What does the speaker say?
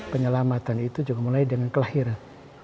penyelamatan itu juga mulai dengan kelahiran